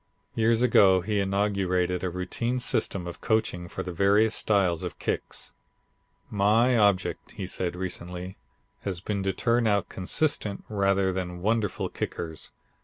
Years ago he inaugurated a routine system of coaching for the various styles of kicks. "My object," he said recently, "has been to turn out consistent rather than wonderful kickers.